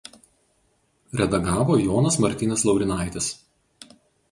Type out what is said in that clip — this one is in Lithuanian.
Redagavo Jonas Martynas Laurinaitis.